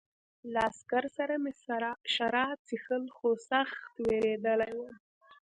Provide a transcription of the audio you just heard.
له عسکر سره مې شراب څښل خو سخت وېرېدلی وم